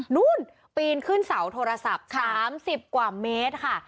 นู่นปีนขึ้นเสาโทรศัพท์๓๐กว่าเมตรค่ะ